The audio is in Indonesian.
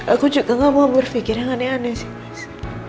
aku juga gak mau berpikir yang aneh aneh sih mas